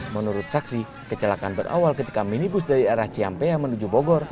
menurut saksi kecelakaan berawal ketika minibus dari arah ciampea menuju bogor